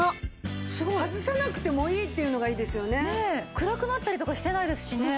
暗くなったりとかしてないですしね。